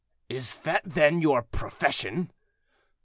"Is that, then, your profession?"